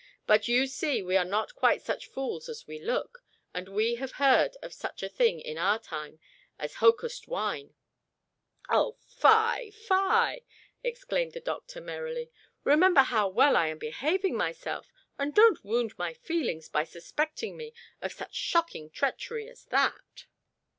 "But you see we are not quite such fools as we look; and we have heard of such a thing, in our time, as hocussed wine." "O fie! fie!" exclaimed the doctor merrily. "Remember how well I am behaving myself, and don't wound my feelings by suspecting me of such shocking treachery as that!"